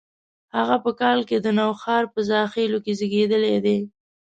هغه په کال کې د نوښار په زاخیلو کې زیږېدلي دي.